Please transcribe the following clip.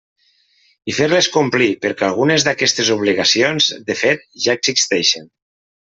I fer-les complir, perquè algunes d'aquestes obligacions, de fet, ja existeixen.